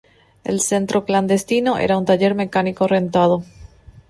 El centro clandestino era un taller mecánico rentado.